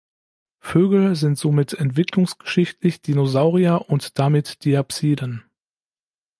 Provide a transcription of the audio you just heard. Vögel sind somit entwicklungsgeschichtlich Dinosaurier und damit Diapsiden.